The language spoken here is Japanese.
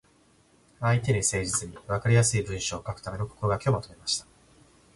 相手に誠実に、わかりやすい文章を書くための心がけをまとめました。